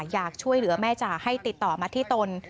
อยากช่วยเหลือแม่จ๋าให้ติดต่อมาที่ตน